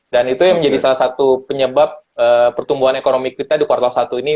dan itu yang menjadi salah satu penyebab pertumbuhan ekonomi kita di kuartal satu ini